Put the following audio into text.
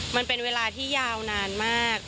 มันเป็นเวลาที่ยาวนานมาก